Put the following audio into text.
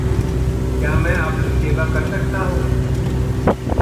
क्या में आपकी सेवा कर सकता हूँ?